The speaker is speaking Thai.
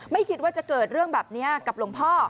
ไม่คิดว่าจะเกิดเรื่องแบบนี้กับหลวงพ่อ